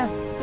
yuk kita main